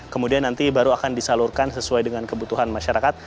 kemudian nanti baru akan disalurkan sesuai dengan kebutuhan masyarakat